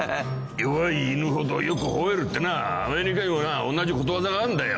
弱い犬ほどよく吠えるってなアメリカにもな同じことわざがあんだよ。